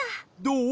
どう？